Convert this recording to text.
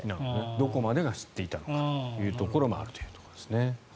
どこまでが知っていたのかということもあるということですね。